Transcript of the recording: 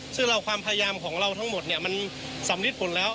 ซึ่งความพยายามของเราทั้งหมดมันสำลิดผลแล้ว